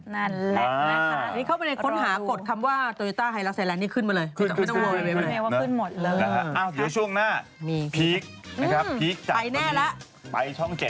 นั่นแหละนี่เข้าไปในค้นหา